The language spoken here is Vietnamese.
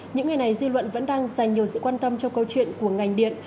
những ngày này dư luận vẫn đang dành nhiều sự quan tâm cho câu chuyện của ngành điện